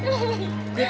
jangan jangan jangan